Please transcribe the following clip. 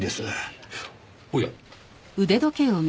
おや。